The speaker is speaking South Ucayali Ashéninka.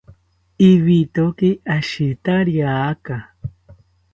Ibitoki ashitariaka